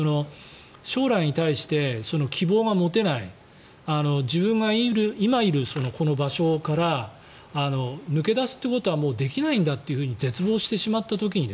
将来に対して希望が持てない自分が今いるこの場所から抜け出すということはもうできないんだと絶望してしまった時に